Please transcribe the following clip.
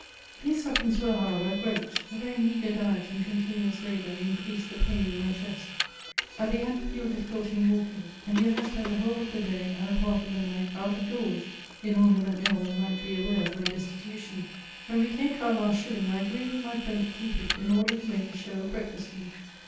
Hiese sufferings, were, however, great ; a TeTj meagre diet and continuous labour increased the pain in my chest ; I began to feel difficulty in walking, and yet I spent the whole of the isj and a part of the night out of doors, in order that no one might be aware of my destitution. When we came to our last shilling, I agreed with my friend to keep it, in order to make a show of breakfasting.